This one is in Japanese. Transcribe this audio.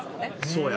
そうや。